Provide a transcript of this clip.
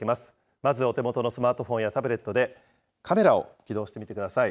まずお手元のスマートフォンやタブレットでカメラを起動してみてください。